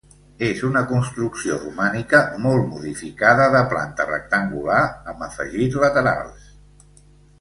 És una construcció romànica molt modificada, de planta rectangular amb afegits laterals.